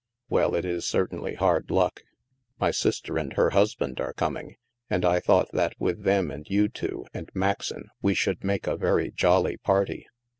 " Well, it is certainly hard luck 1 My sister and her husband are coming, and I thought that with them and you two, and Maxon, we should make a very jolly party.